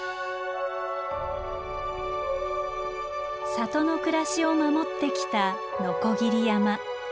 里の暮らしを守ってきた鋸山。